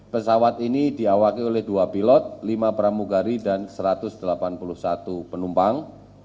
pesawat ini diawaki oleh dua pilot lima pramugari dan satu ratus delapan puluh satu penumpang